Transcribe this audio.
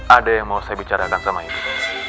ada yang mau saya bicarakan sama ibu